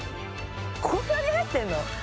こんなに入ってんの？